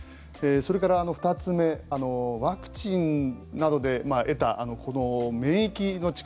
それから２つ目ワクチンなどで得た免疫の力